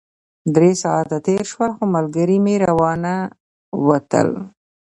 درې ساعته تېر شول خو ملګري مې راونه وتل.